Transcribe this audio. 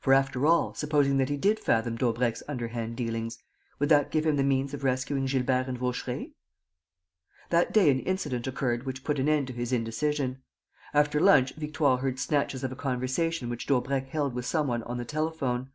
For, after all, supposing that he did fathom Daubrecq's underhand dealings, would that give him the means of rescuing Gilbert and Vaucheray? That day an incident occurred which put an end to his indecision. After lunch Victoire heard snatches of a conversation which Daubrecq held with some one on the telephone.